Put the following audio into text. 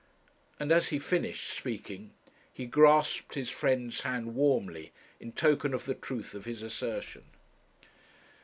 And as he finished speaking he grasped his friend's hand warmly in token of the truth of his assertion.